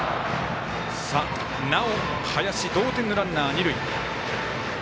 なお、林、同点のランナー二塁。